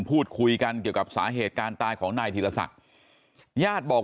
พูดคุยกันเกี่ยวกับสาเหตุการณ์ตายของนายธีรศักดิ์ญาติบอก